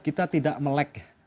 kita tidak melek